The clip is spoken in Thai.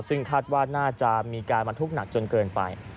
ซึ่งคาดว่าน่าจะมีการบรรทุกหนักจนเกินไป